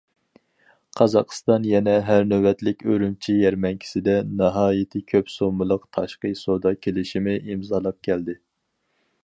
قازاقىستان يەنە ھەر نۆۋەتلىك ئۈرۈمچى يەرمەنكىسىدە ناھايىتى كۆپ سوممىلىق تاشقى سودا كېلىشىمى ئىمزالاپ كەلدى.